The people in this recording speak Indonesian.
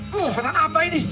kecepatan apa ini